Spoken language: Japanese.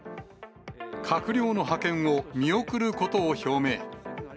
閣僚の派遣を見送ることを表明。